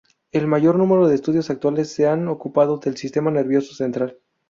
El mayor número de estudios actuales se han ocupado del sistema nervioso central.